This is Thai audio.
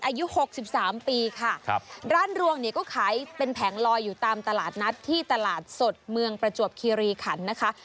อายุหกสิบสามปีค่ะครับร้านรวงเนี่ยก็ขายเป็นแผงลอยอยู่ตามตลาดนัดที่ตลาดสดเมืองประจวบคีรีขันนะคะ